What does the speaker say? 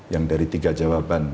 yang dari tiga jawaban